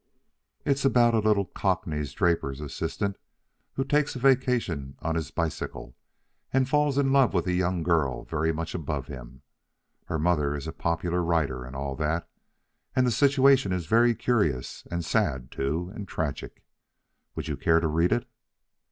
"It's about a little Cockney draper's assistant, who takes a vacation on his bicycle, and falls in with a young girl very much above him. Her mother is a popular writer and all that. And the situation is very curious, and sad, too, and tragic. Would you care to read it?"